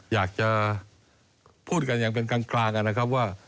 อยากจะพูดกันอย่างเป็นกลางนะครับว่า